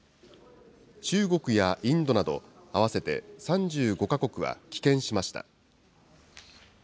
中国やインドなど、合わせて３５か国は棄権しました。